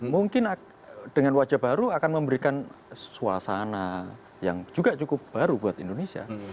mungkin dengan wajah baru akan memberikan suasana yang juga cukup baru buat indonesia